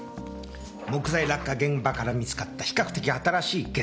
木材落下現場から見つかった比較的新しいゲソ痕。